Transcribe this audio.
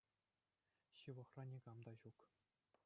Ҫывӑхра никам та ҫук.